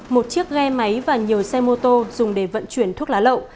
một chiếc ghe máy và nhiều xe mô tô dùng để vận chuyển thuốc lá lậu